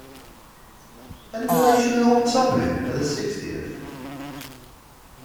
Any relation of old Tommy of the Sixtieth?